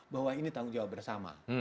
bahwa ini tanggung jawab bersama